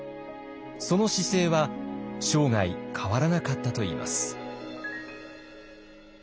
その姿勢は生涯変わらなかったといいます。